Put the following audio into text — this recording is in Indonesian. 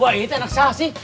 buah ini teh anak salah sih